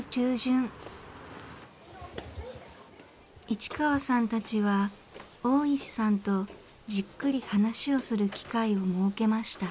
市川さんたちは大石さんとじっくり話をする機会を設けました。